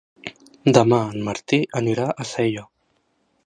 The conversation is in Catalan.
Demà en Martí anirà a Sella.